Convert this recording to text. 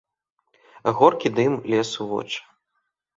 Горкі дым лез у вочы.